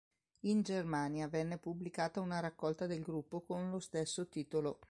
In Germania venne pubblicata una raccolta del gruppo con lo stesso titolo.